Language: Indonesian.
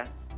so mbak dea